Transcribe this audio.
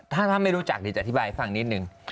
ถ้าไม่รู้จักอยากจะอธิบายไว้ฟังนินหนึ่ง